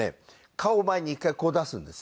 顔を前に一回こう出すんですね。